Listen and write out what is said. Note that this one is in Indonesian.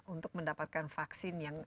untuk mendapatkan vaksin yang